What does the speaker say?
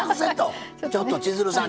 ちょっと千鶴さん